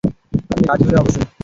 আপনি রাজি হলে অবশ্যই।